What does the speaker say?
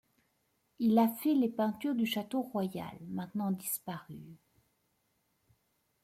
Il a fait les peintures du château royal, maintenant disparues.